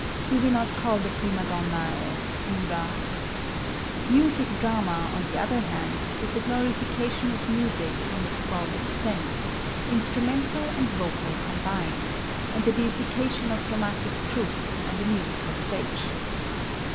Do we not call the prima donna a diva? Music drama, on the other hand, is the glorification of music in its broadest sense, instrumental and vocal combined, and the deification of dramatic truth on the musical stage.